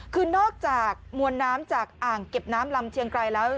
คือนอกจากมวลน้ำจากอ่างเก็บน้ำลำเชียงไกรแล้ว